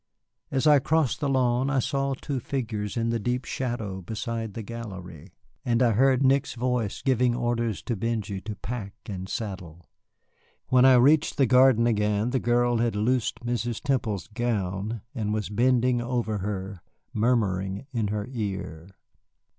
As I crossed the lawn I saw two figures in the deep shadow beside the gallery, and I heard Nick's voice giving orders to Benjy to pack and saddle. When I reached the garden again the girl had loosed Mrs. Temple's gown, and was bending over her, murmuring in her ear.